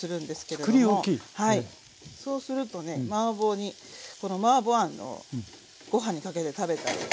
そうするとねマーボーにこのマーボーあんをご飯にかけて食べたり。